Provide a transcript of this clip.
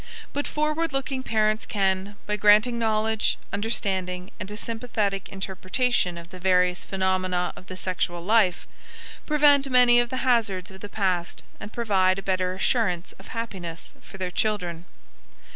But forward looking parents can, by granting knowledge, understanding, and a sympathetic interpretation of the various phenomena of the sexual life, prevent many of the hazards of the past and provide a better assurance of happiness for their children.